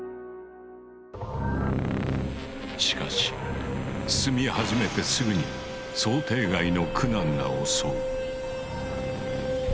しかし進み始めてすぐに想定外の苦難が襲う。